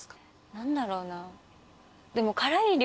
何だろうな。